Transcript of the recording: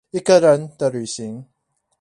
一個人的旅行